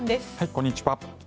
こんにちは。